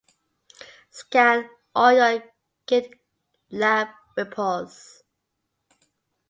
scan all your GitLab repos